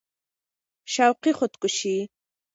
شوقي خود کشي